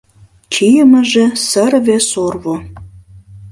Чийымыже сырве-сорво.